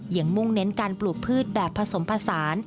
มุ่งเน้นการปลูกพืชแบบผสมผสาน